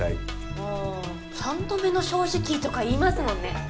ああ「三度目の正直」とか言いますもんね。